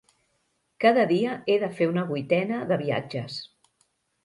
Cada dia he de fer una vuitena de viatges.